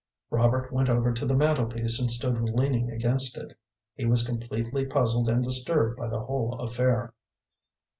Robert went over to the mantle piece and stood leaning against it. He was completely puzzled and disturbed by the whole affair.